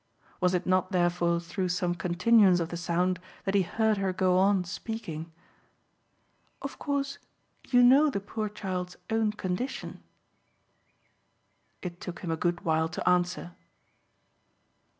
Was it not therefore through some continuance of the sound that he heard her go on speaking? "Of course you know the poor child's own condition." It took him a good while to answer.